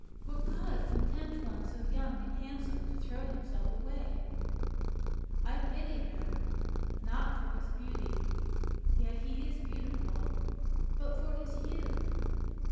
"What god can tempt one so young and handsome to throw himself away? I pity him, not for his beauty (yet he is beautiful), but for his youth.